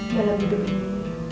dalam hidup ini